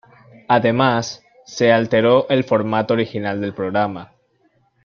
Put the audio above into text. Además, se alteró el formato original del programa.